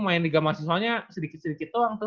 main liga mahasiswanya sedikit sedikit doang tuh